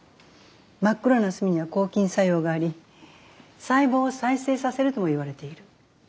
真っ黒な墨には抗菌作用があり細胞を再生させるともいわれている。